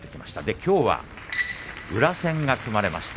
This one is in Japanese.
きょうは宇良戦が組まれました。